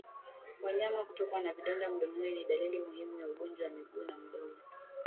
Wanyama kutokwa na vidonda mdomoni ni dalili muhimu za ugonjwa wa miguu na mdomo